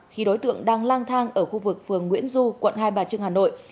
khi đối tượng đang lang thang ở khu vực phường nguyễn du quận hai bà trưng hà nội